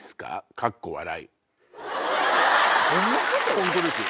本当ですよ。